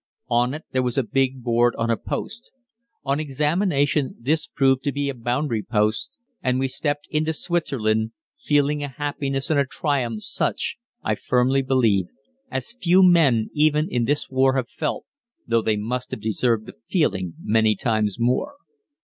On it, there was a big board on a post. On examination this proved to be a boundary post, and we stepped into Switzerland, feeling a happiness and a triumph such, I firmly believe, as few men even in this war have felt, though they may have deserved the feeling many times more.